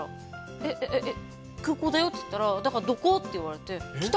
えっ、空港だよって言ったら、だから“どこ？”って言われて、来た。